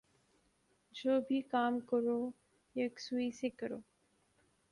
جو بھی کام کرو یکسوئی سے کرو